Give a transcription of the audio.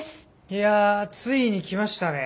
いやついにきましたね。